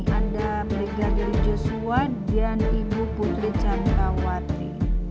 hai anda berdiri jesua dan ibu putri candrawati